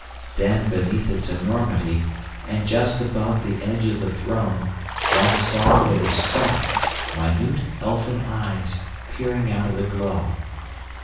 Then beneath its enormity and just above the edge of the throne one saw with a start minute elfin eyes peering out of the glow.